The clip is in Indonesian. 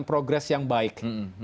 progres yang baik